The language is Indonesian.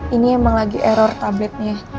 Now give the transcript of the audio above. ini emang lagi error tabletnya